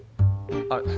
あ。